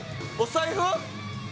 お財布？